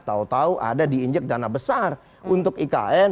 tau tau ada diinjek dana besar untuk ikn